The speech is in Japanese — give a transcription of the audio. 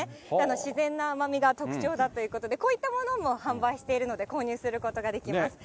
自然な甘みが特徴だということで、こういったものも販売しているので、購入することができます。